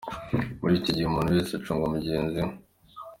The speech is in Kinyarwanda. Muri icyo gihe, umuntu wese acunga mugenzi we.